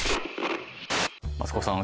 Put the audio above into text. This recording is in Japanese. マツコさん